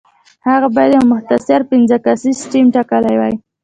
هغه باید یو مختصر پنځه کسیز ټیم ټاکلی وای.